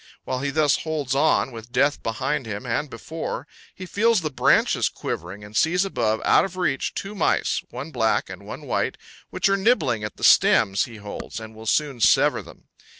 While he thus holds on, with death behind him and before, he feels the branches quivering, and sees above, out of reach, two mice, one black and one white, which are nibbling at the stems he holds and will soon sever them.